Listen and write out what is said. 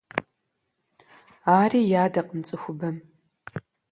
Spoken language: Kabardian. Ари ядакъым цӀыхубэм…